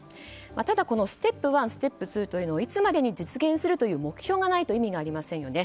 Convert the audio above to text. ただ、このステップ１ステップ２というのをいつまでに実現するという目標がないと意味がありませんよね。